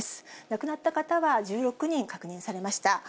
亡くなった方は１６人確認されました。